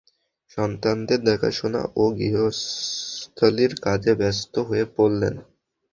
সন্তানদের দেখাশোনা ও গৃহস্থালির কাজে ব্যস্ত হয়ে পড়লেন।